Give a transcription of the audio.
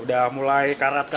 udah mulai karat